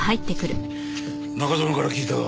中園から聞いた。